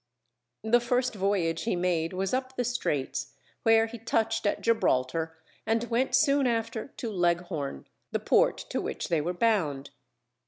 The first voyage he made was up the Straits, where he touched at Gibraltar, and went soon after to Leghorn, the port to which they were bound.